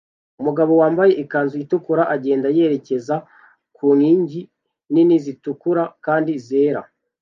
Umugabo wambaye ikanzu itukura agenda yerekeza ku nkingi nini zitukura kandi zera